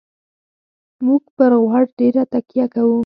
موږ پر غوړ ډېره تکیه کوو.